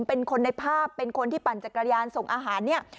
เป็นคนในภาพเป็นคนที่ปั่นจักรยานส่งอาหารเนี่ย